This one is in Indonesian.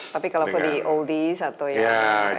tapi kalau for the oldies atau yang